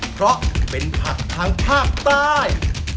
เพราะเป็นผักทางภาคใต้